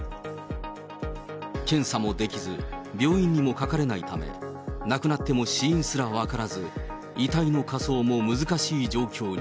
検査もできず、病院にもかかれないため、亡くなっても死因すら分からず、遺体の火葬も難しい状況に。